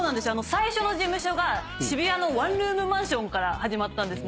最初の事務所が渋谷のワンルームマンションから始まったんですね。